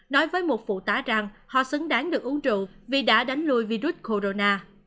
nói với một phụ tá rằng họ xứng đáng được uống rượu vì đã đánh lùi virus corona